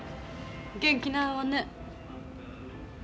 元気ないわね。